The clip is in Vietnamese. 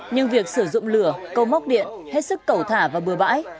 nhưng việc sử dụng lửa cầu móc điện hết sức cẩu thả và bừa bãi